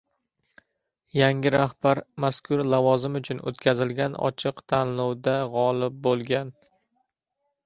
Yangi rahbar mazkur lavozim uchun o‘tkazilgan ochiq tanlovda g‘olib bo‘lgan